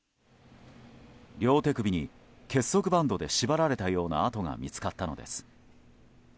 両手首に結束バンドで縛られたような跡が見つかったのです。